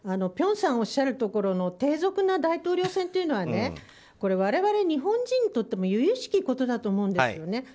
辺さんがおっしゃるところの低俗な大統領選というのは我々日本人にとってもゆゆしきことだと思うんですよね。